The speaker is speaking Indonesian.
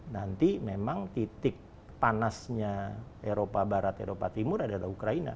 nanti memang titik panasnya eropa barat eropa timur adalah ukraina